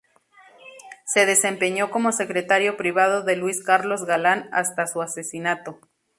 Se desempeñó como Secretario Privado de Luis Carlos Galán, hasta su asesinato.